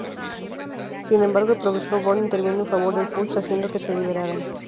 Sin embargo, el profesor Born intervino en favor de Fuchs, haciendo que le liberaran.